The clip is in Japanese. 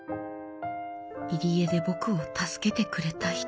入り江で僕を助けてくれた人。